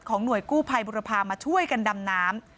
หน่วยกู้ภัยบุรพามาช่วยกันดำน้ำ